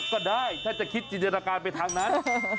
ก็ได้ถ้าจะคิดจินตนาการไปทางนั้น